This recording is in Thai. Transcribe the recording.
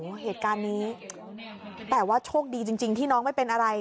โอ้โหเหตุการณ์นี้แต่ว่าโชคดีจริงที่น้องไม่เป็นอะไร